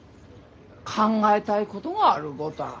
考えたいことがあるごたぁ。